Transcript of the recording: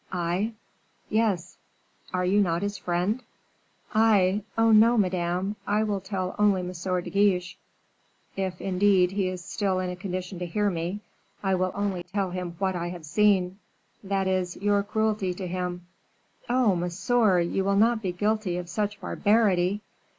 "I?" "Yes; are you not his friend?" "I? oh, no, Madame; I will only tell M. de Guiche if, indeed, he is still in a condition to hear me I will only tell him what I have seen; that is, your cruelty to him." "Oh, monsieur, you will not be guilty of such barbarity!"